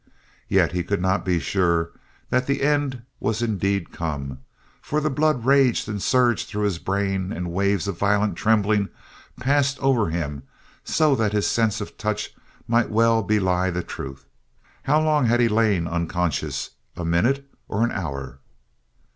Yet he could not be sure that the end was indeed come, for the blood raged and surged through his brain and waves of violent trembling passed over him so that his sense of touch might well belie the truth. How long had he lain unconscious a minute or an hour?